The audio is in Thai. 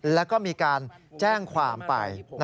แล้วก็มีการแจ้งความไป